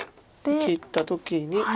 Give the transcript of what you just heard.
切った時に。